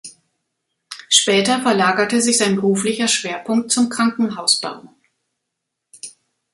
Später verlagerte sich sein beruflicher Schwerpunkt zum Krankenhausbau.